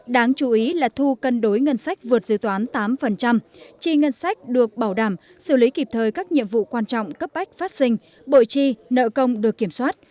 đáng chú ý là thu cân đối ngân sách vượt dự toán tám chi ngân sách được bảo đảm xử lý kịp thời các nhiệm vụ quan trọng cấp bách phát sinh bội chi nợ công được kiểm soát